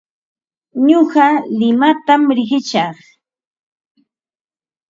Nuqa limatam riqishaq.